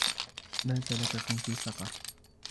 مَا سَلَكَكُمْ فِي سَقَرَ